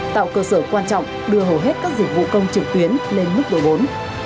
tạo cơ sở quan trọng đưa hầu hết các dịch vụ công trực tuyến lên mức độ bốn